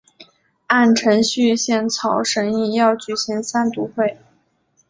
按程序宪草审议要举行三读会。